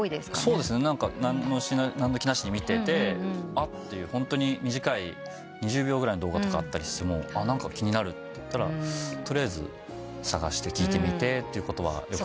そうですね。何の気なしに見てて「あっ」って。ホントに短い２０秒ぐらいの動画とかあったりしても何か気になるってなったら取りあえず探して聴いてみてということはよくあります。